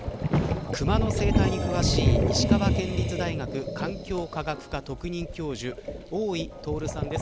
クマの生態に詳しい石川県立大学環境科学科特任教授大井徹さんです。